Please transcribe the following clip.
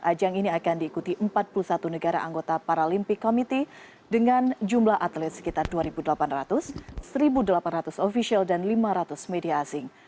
ajang ini akan diikuti empat puluh satu negara anggota paralimpik komite dengan jumlah atlet sekitar dua delapan ratus satu delapan ratus ofisial dan lima ratus media asing